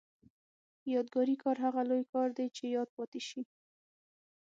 یادګاري کار هغه لوی کار دی چې یاد پاتې شي.